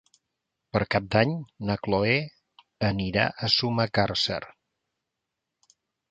Per Cap d'Any na Cloè anirà a Sumacàrcer.